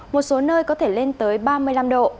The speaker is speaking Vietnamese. một số nơi có thể lên tới ba mươi năm độ